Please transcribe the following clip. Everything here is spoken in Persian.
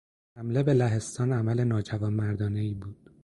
حمله به لهستان عمل ناجوانمردانهای بود.